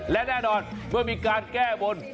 และแน่นอนเมื่อมีการแก้บน